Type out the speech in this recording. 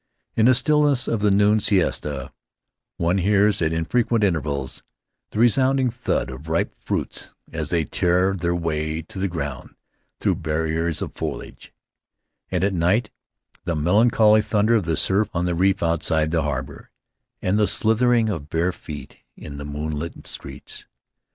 In the stillness of the noon siesta one hears at infrequent intervals the re sounding thud of ripe fruits as they tear their way to the ground through barriers of foliage; and at night the melancholy thunder of the surf on the reef outside A Leisurely Approach the harbor, and the slithering of bare feet in the moonlit streets.